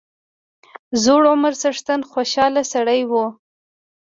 زوړ عمر څښتن خوشاله سړی وو.